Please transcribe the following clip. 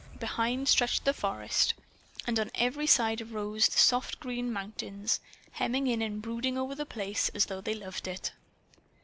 Behind stretched the forest. And on every side arose the soft green mountains, hemming in and brooding over The Place as though they loved it.